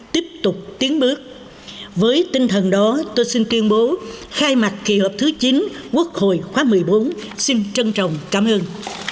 tiếp tục tiến bước với tinh thần đó tôi xin tuyên bố khai mạc kỳ họp thứ chín quốc hội khóa một mươi bốn xin trân trọng cảm ơn